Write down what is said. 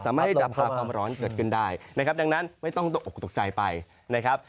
สามารถที่จะพัดความร้อนเกิดขึ้นได้นะครับดังนั้นไม่ต้องตกใจไปนะครับ